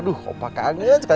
aduh opo kangen sekali sama kamu